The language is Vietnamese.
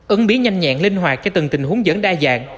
ứng bí nhanh nhẹn linh hoạt cho từng tình huống đa dạng